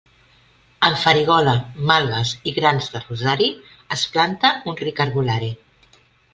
Amb farigola, malves i grans de rosari, es planta un ric herbolari.